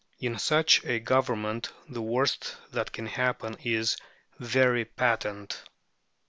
In such a government the worst that can happen is very patent.